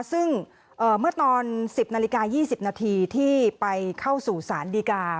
ซึ่งเมื่อตอน๑๐นาฬิกา๒๐นาทีที่ไปเข้าสู่ศาลดีกา